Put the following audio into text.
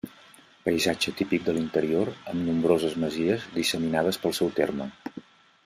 Paisatge típic de l'interior amb nombroses masies disseminades pel seu terme.